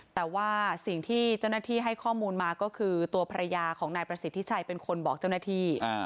แต่ว่าสิ่งที่เจ้าหน้าที่ให้ข้อมูลมาก็คือตัวภรรยาของนายประสิทธิชัยเป็นคนบอกเจ้าหน้าที่